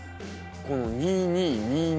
この「２２２２」。